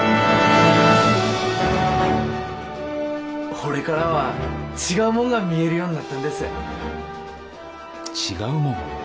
ほれからは違うもんが見えるようになったんです違うもん？